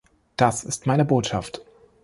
Das ist meine Botschaft.